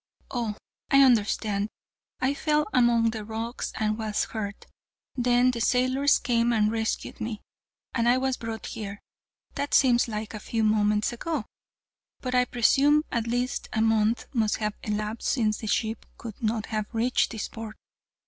Oh, I understand; I fell among the rocks and was hurt; then the sailors came and rescued me, and I was brought here. That seems like a few moments ago, but I presume at least a month must have elapsed since or the ship could not have reached this port.